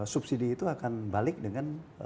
subsidi itu akan balik dengan